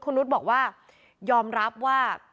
คุณนุษย์บอกว่ายอมรับว่า